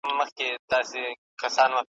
د خوږو دانو مزې ته هک حیران سو .